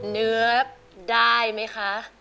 เนื้อได้ไหมคะ